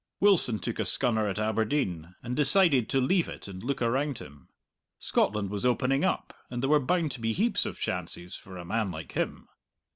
Wilson took a scunner at Aberdeen, and decided to leave it and look around him. Scotland was opening up, and there were bound to be heaps of chances for a man like him!